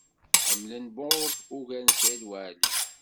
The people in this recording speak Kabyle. Ḥemmlen Bob ugar n Saɛid Waɛli.